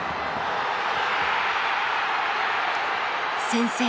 先制。